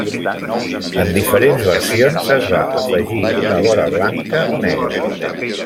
En diferents versions es va afegir una vora blanca o negra.